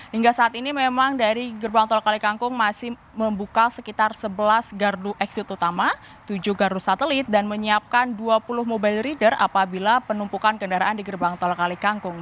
hingga saat ini memang dari gerbang tol kalikangkung masih membuka sekitar sebelas gardu eksit utama tujuh gardu satelit dan menyiapkan dua puluh mobile reader apabila penumpukan kendaraan di gerbang tol kalikangkung